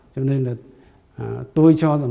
cho nên là tôi cho rằng